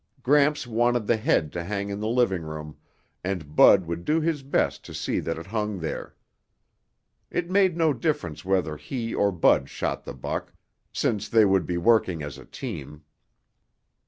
Gramps wanted the head to hang in the living room and Bud would do his best to see that it hung there. It made no difference whether he or Bud shot the buck, since they would be working as a team.